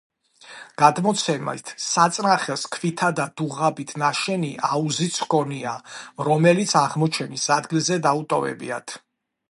გადმოცემით საწნახელს ქვითა და დუღაბით ნაშენი აუზიც ჰქონია, რომელიც აღმოჩენის ადგილზე დაუტოვებიათ.